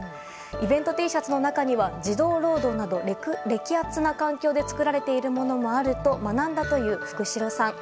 イベントＴシャツの中には児童労働など劣悪な環境で作られているものもあると学んだ福代さん。